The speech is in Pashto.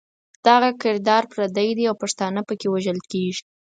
دغه کردار پردی دی او پښتانه پکې وژل کېږي.